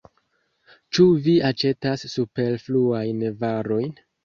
Ĉu vi aĉetas superfluajn varojn?